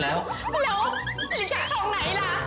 แล้วลินจากช่องไหนล่ะ